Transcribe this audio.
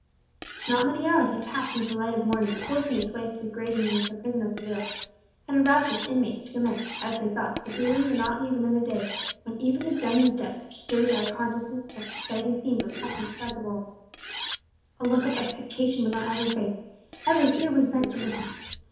Not many hours had passed since the light of morning, forcing its way through gratings into the prison of Seville, had aroused its inmates to commence, as they thought, the dreary monotony of another day, when even the dungeon's depths were stirred by a consciousness that exciting scenes were passing outside the walls. A look of expectation was on every face, every ear was bent to listen.